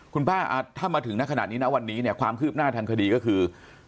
คุณป้าถ้ามาถึงณขณะนี้นะวันนี้เนี่ยความคืบหน้าทางคดีก็คือ